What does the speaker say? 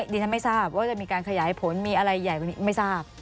ดิฉันไม่ทราบว่าจะมีการขยายผลมีอะไรใหญ่กว่านี้ไม่ทราบ